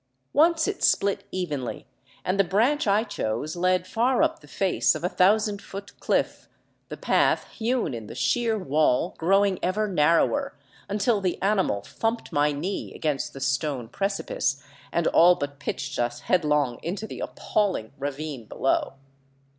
Once it split evenly, and the branch I chose led far up the face of a thousand foot cliff, the path hewn in the sheer wall growing ever narrower, until the animal thumped my knee against the stone precipice and all but pitched us headlong into the appalling ravine below.